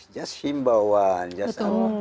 just him bawah one just allah